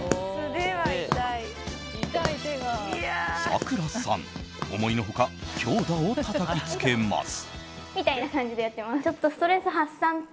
さくらさん、思いの外強打をたたき付けます。